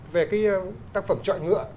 về cái tác phẩm trọi ngựa